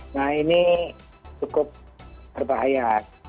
nah ini cukup berbahaya